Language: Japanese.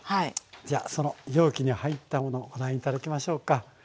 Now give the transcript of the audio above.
じゃあその容器に入ったものご覧頂きましょうか。